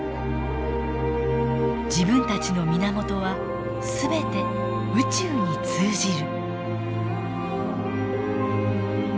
自分たちの源は全て宇宙に通じる。